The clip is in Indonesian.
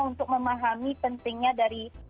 untuk memahami pentingnya dari